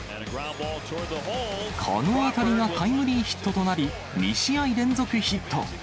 この当たりがタイムリーヒットとなり、２試合連続ヒット。